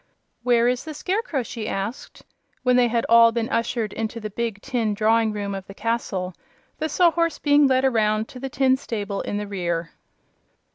"Where is the Scarecrow?" she asked, when they had all been ushered into the big tin drawing room of the castle, the Sawhorse being led around to the tin stable in the rear.